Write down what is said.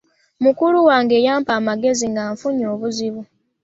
Mukulu wange yampa amagezi nga nfunye obuzibu.